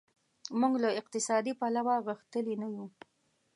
موږ له اقتصادي پلوه غښتلي نه یو.